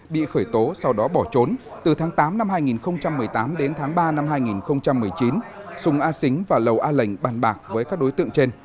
bị khởi tố sau đó bỏ trốn từ tháng tám năm hai nghìn một mươi tám đến tháng ba năm hai nghìn một mươi chín sùng a xính và lầu a lệnh bàn bạc với các đối tượng trên